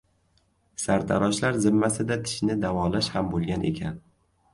sartaroshlar zimmasida tishni davolash ham bo‘lgan ekan.